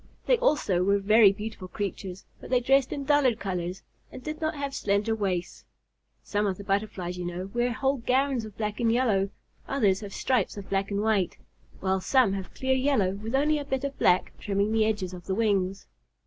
They also were very beautiful creatures, but they dressed in duller colors and did not have slender waists. Some of the Butterflies, you know, wear whole gowns of black and yellow, others have stripes of black and white, while some have clear yellow with only a bit of black trimming the edges of the wings.